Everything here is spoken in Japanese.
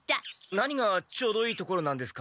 何がちょうどいいところなんですか？